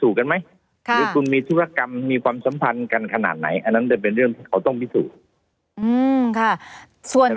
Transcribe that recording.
กันไหมหรือคุณมีธุรกรรมมีความสัมพันธ์กันขนาดไหนอันนั้นเป็นเรื่องที่เขาต้องพิสูจน์